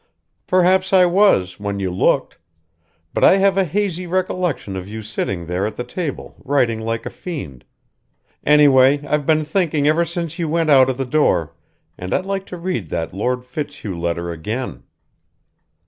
"Perhaps I was when you looked. But I have a hazy recollection of you sitting there at the table, writing like a fiend. Anyway, I've been thinking ever since you went out of the door, and I'd like to read that Lord Fitzhugh letter again."